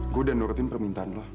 gue udah nurutin permintaan lo